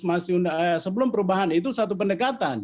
masih undang undang eh sebelum perubahan itu satu pendekatan